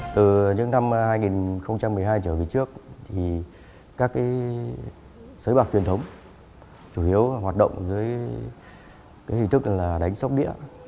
từ những năm hai nghìn một mươi hai trở về trước các sới bạc truyền thống chủ yếu hoạt động dưới hình thức đánh sóc đĩa